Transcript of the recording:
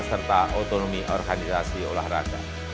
serta otonomi organisasi olahraga